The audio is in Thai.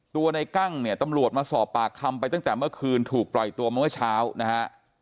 ในกั้งเนี่ยตำรวจมาสอบปากคำไปตั้งแต่เมื่อคืนถูกปล่อยตัวเมื่อเช้านะฮะ